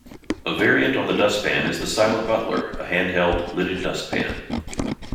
A variant on the dustpan is the silent butler, a handheld, lidded dustpan.